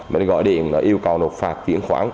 mình gọi điện yêu cầu nộp phạt chuyển khoản